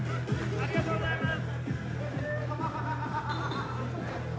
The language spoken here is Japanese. ありがとうございます！